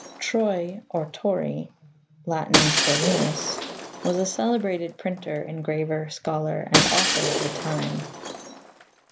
Troy, or Tory (Lat. Torinus), was a celebrated printer, engraver, scholar, and author of the time.